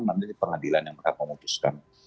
namanya pengadilan yang mereka memutuskan